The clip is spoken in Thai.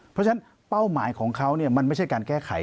เพราะฉะนั้นเป้าหมายของเขามันไม่ใช่การแก้ไข